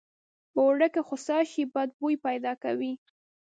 اوړه که خوسا شي بد بوي پیدا کوي